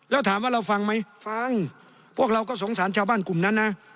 แล้วถามว่าเราฟังไหมฟังพวกเราก็สงสารชาวบ้านกลุ่มนั้นนะ